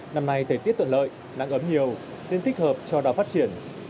năm nay thời tiết tuyệt lợi nắng ấm nhiều nên thích hợp cho đào phát triển